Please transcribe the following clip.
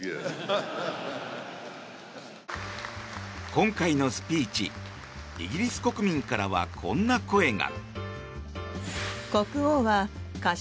今回のスピーチイギリス国民からはこんな声が。